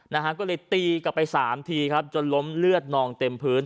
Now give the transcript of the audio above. นะฮะก็เลยตีกลับไปสามทีครับจนล้มเลือดนองเต็มพื้น